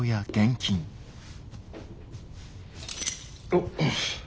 おっ。